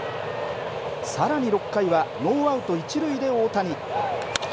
さらに６回はノーアウト一塁で大谷。